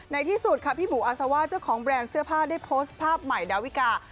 ที่สุดค่ะพี่บูอาซาว่าเจ้าของแบรนด์เสื้อผ้าได้โพสต์ภาพใหม่ดาวิกา